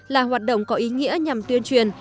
là hoạt động có ý nghĩa nhằm tuyên truyền